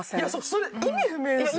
それ意味不明ですよね。